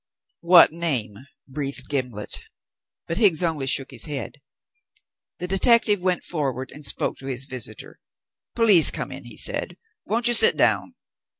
"What name?" breathed Gimblet; but Higgs only shook his head. The detective went forward and spoke to his visitor. "Please come in," he said. "Won't you sit down?"